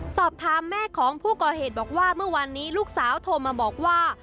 สอบถามแม่ของผู้ก่อเหตุบอกว่าเมื่อวานนี้ลูกสาวโทรมาบอกว่า